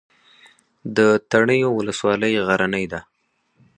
د تڼیو ولسوالۍ غرنۍ ده